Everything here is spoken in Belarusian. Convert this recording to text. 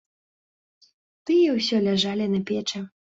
Тыя ўсё ляжалі на печы.